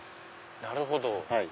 なるほど。